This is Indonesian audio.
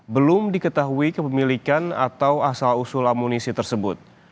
belum diketahui kepemilikan atau asal usul amunisi tersebut